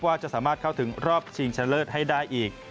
ว่าจะสามารถเข้าถึงรอบชิงชะเลิศให้ได้อีก